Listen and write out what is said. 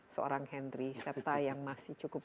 seorang hendri serta yang masih cukup